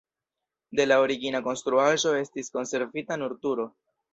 De la origina konstruaĵo estis konservita nur turo.